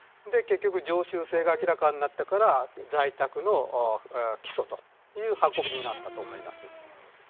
結局常習性が明らかになったから在宅の起訴という運びになったと思います。